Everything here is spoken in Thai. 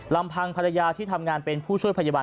ลำพังภรรยาที่ทำงานเป็นผู้ช่วยพยาบาล